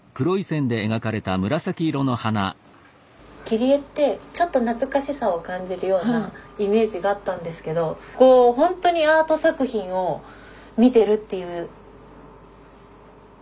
切り絵ってちょっと懐かしさを感じるようなイメージがあったんですけどホントにアート作品を見てるっていう。